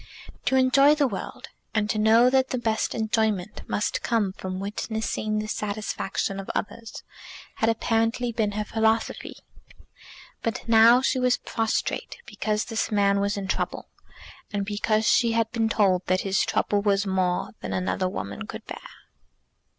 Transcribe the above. To enjoy the world, and to know that the best enjoyment must come from witnessing the satisfaction of others, had apparently been her philosophy. But now she was prostrate because this man was in trouble, and because she had been told that his trouble was more than another woman could bear!